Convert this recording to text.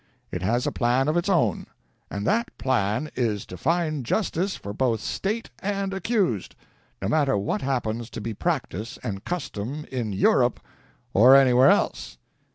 It has a plan of its own; and that plan is, to find justice for both State and accused, no matter what happens to be practice and custom in Europe or anywhere else."